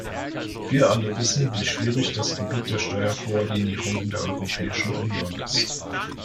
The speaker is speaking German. Wir alle wissen, wie schwierig das Gebiet der Steuerkoordinierung in der Europäischen Union ist.